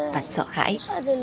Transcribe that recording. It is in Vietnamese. và sợ hãi